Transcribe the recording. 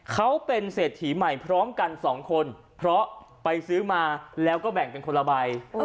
เขาเป็นเศรษฐีใหม่พร้อมกันสองคนเพราะไปซื้อมาแล้วก็แบ่งเป็นคนละใบ